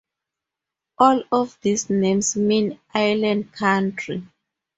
All of these names mean "island country".